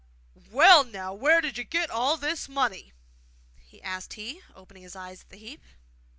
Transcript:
'Well, now, where did you get all this money?' asked he, opening his eyes at the heap.